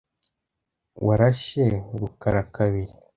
Warashe rukarakabiri.